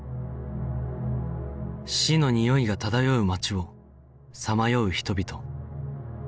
死のにおいが漂う街をさまよう人々